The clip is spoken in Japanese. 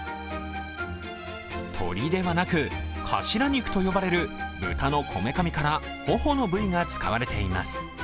鶏ではなく、カシラ肉と呼ばれる豚のこめかみから頬の部位が使われています。